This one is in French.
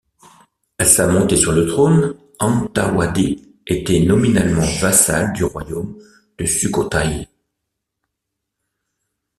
À sa montée sur le trône, Hanthawaddy était nominalement vassal du royaume de Sukhothaï.